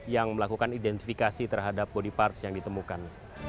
yang melakukan identifikasi terhadap body parts yang ditemukan